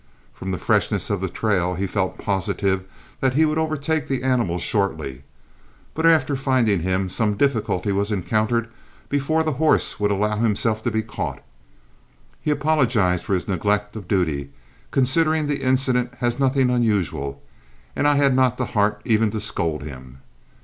From the freshness of the trail, he felt positive that he would overtake the animal shortly, but after finding him some difficulty was encountered before the horse would allow himself to be caught. He apologized for his neglect of duty, considering the incident as nothing unusual, and I had not the heart even to scold him.